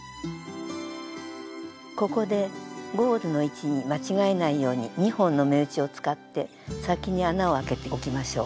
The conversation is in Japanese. ここでゴールの位置に間違えないように２本の目打ちを使って先に穴をあけておきましょう。